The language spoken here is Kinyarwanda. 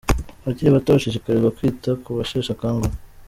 Abakiri bato bashishikarizwa kwita ku basheshe akanguhe